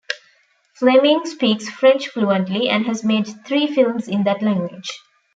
Flemyng speaks French fluently, and has made three films in that language.